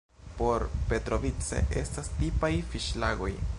Por Petrovice estas tipaj fiŝlagoj.